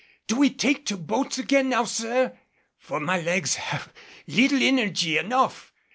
Do we take to the boats again now, sir? For my legs have little energy enough.